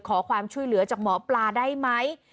ขอความช่วยเหลือจากหมอปลาได้ไหม